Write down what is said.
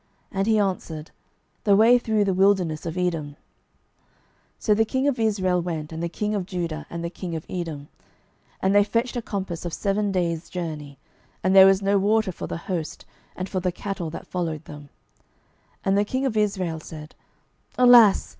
And he answered, The way through the wilderness of Edom. 12:003:009 So the king of Israel went, and the king of Judah, and the king of Edom: and they fetched a compass of seven days' journey: and there was no water for the host, and for the cattle that followed them. 12:003:010 And the king of Israel said, Alas!